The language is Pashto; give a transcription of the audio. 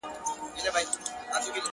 • خو یو عیب چي یې درلود ډېره غپا وه -